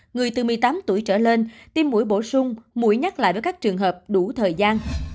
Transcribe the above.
người từ một mươi tám tuổi trở lên tim mũi bổ sung mũi nhắc lại với các trường hợp đủ thời gian